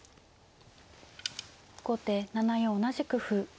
後手７四同じく歩。